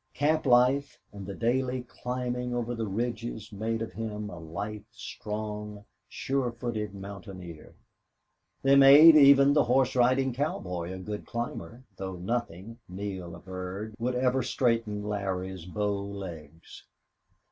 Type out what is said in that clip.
Camp life and the daily climbing over the ridges made of him a lithe, strong, sure footed mountaineer. They made even the horse riding cowboy a good climber, though nothing, Neale averred, would ever straighten Larry's bow legs.